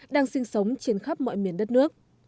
đang sinh sống trên khắp mọi miền đất nước